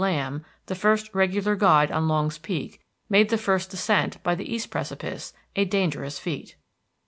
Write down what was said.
Lamb, the first regular guide on Longs Peak, made the first descent by the east precipice, a dangerous feat.